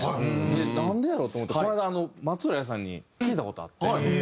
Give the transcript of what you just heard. で「なんでやろう？」と思ってこの間松浦亜弥さんに聞いた事あって。